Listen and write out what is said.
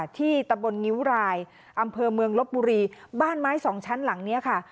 ที่ตะบนงิ้วรายอำเภอเมืองลบบุรีบ้านไม้สองชั้นหลังเนี้ยค่ะ